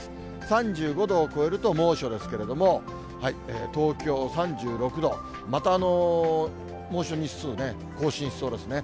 ３５度を超えると猛暑ですけれども、東京３６度、また猛暑日数、更新しそうですね。